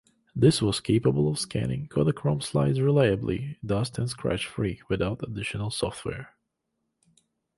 This was capable of scanning Kodachrome slides reliably, dust- and scratch-free, without additional software.